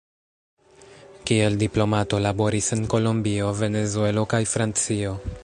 Kiel diplomato, laboris en Kolombio, Venezuelo kaj Francio.